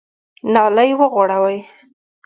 نالۍ وغوړوئ !